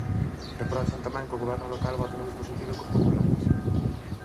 Reprochan, tamén, que o goberno local vote no mesmo sentido que os populares.